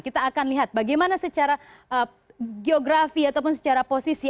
kita akan lihat bagaimana secara geografi ataupun secara posisi